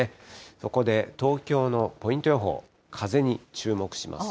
そこで東京のポイント予報、風に注目しますと。